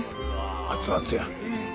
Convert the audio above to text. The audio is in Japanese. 熱々や。